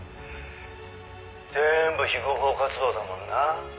「全部非合法活動だもんな」